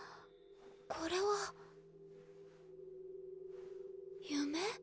これは夢？